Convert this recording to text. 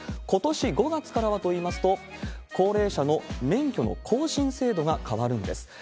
ことし５月からはといいますと、高齢者の免許の更新制度が変わるんです。